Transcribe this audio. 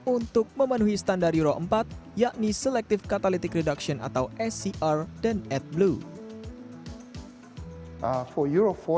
untuk memenuhi standar euro empat yakni selective catalytic reduction atau scr dan adblue